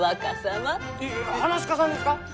いや噺家さんですか？